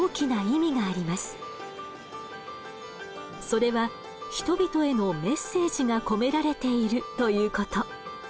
それは人々へのメッセージが込められているということ。